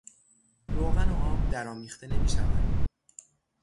روغن و آب درآمیخته نمیشود.